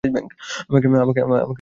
আমাকে জোর করো না, ভাই।